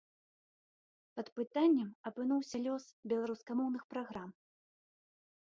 Пад пытаннем апынуўся лёс беларускамоўных праграм.